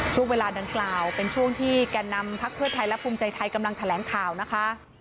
ช่วงเวลาดังกล่าวเป็นช่วงที่แก่นำพักเพื่อไทยและภูมิใจไทยกำลังแถลงข่าวนะคะ